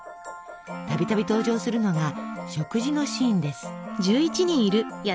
度々登場するのが食事のシーンです。